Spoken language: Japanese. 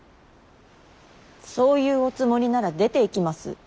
そういうおつもりなら出ていきます。